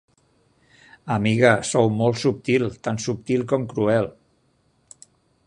Amiga, sou molt subtil… tan subtil com cruel